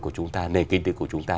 của chúng ta nền kinh tịch của chúng ta